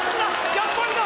やっぱりだ！